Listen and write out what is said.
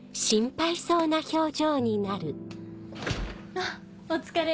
あっお疲れ！